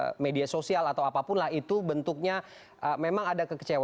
akses media sosial atau apapunnya itu bentuknya memang ada kekecewaan